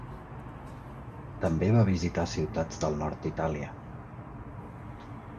També va visitar ciutats del nord d'Itàlia.